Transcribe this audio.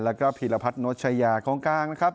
แล้วก็พีรพัฒนชายาของกลางนะครับ